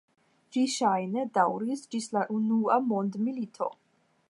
Ĝi ŝajne daŭris ĝis la unua mondmilito.